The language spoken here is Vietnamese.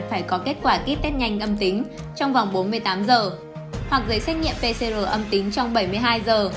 phải có kết quả kit test nhanh âm tính trong vòng bốn mươi tám giờ hoặc giấy xét nghiệm pcr âm tính trong bảy mươi hai giờ